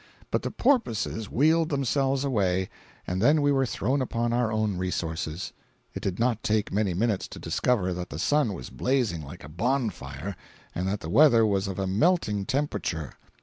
But the porpoises wheeled themselves away, and then we were thrown upon our own resources. It did not take many minutes to discover that the sun was blazing like a bonfire, and that the weather was of a melting temperature.